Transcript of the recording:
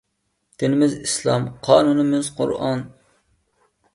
دىنىمىز ئىسلام قانۇنىمىز قۇرئان